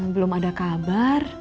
belum ada kabar